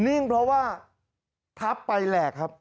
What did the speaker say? นิ่งเพราะว่าทับไปแหลกครับ